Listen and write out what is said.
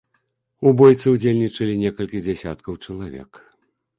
У бойцы ўдзельнічалі некалькі дзясяткаў чалавек.